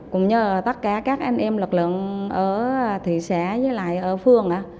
cũng như là tất cả các anh em lực lượng ở thị xã với lại ở phường